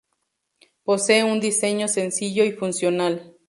Posee un diseño sencillo y funcional.